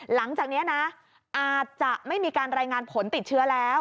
หลังจากนี้นะอาจจะไม่มีการรายงานผลติดเชื้อแล้ว